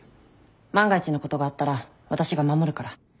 万が一のことがあったら私が守るから。